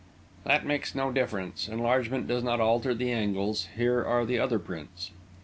"That makes no difference. Enlargement does not alter the angles. Here are the other prints."